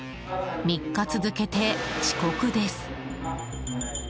３日続けて遅刻です。